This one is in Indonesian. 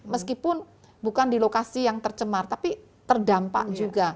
meskipun bukan di lokasi yang tercemar tapi terdampak juga